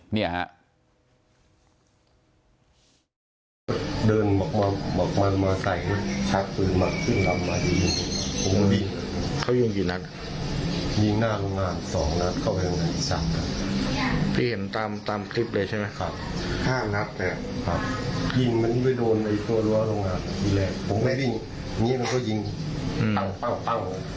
เพื่อนกำลังตัดแค่่นิดนึงจากรึเปอัฝรย์ชนกระถางแล้วก็ดัดมีสัมหน้า